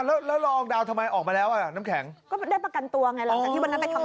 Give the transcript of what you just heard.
แล้วแล้วละอองดาวทำไมออกมาแล้วอ่ะน้ำแข็งก็ได้ประกันตัวไงหลังจากที่วันนั้นไปทำ